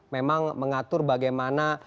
memang mengatur bagaimana